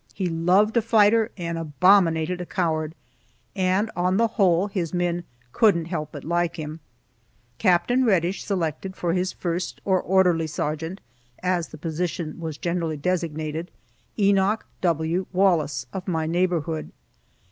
He loved a fighter and abominated a coward, and, on the whole, his men couldn't help but like him. Capt. Reddish selected for his first, or orderly sergeant, as the position was generally designated, Enoch W. Wallace, of my neighborhood.